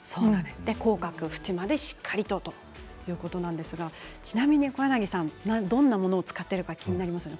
口角を縁までしっかりとということなんですがちなみに小柳さんはどんなもの使っているか気になりますよね。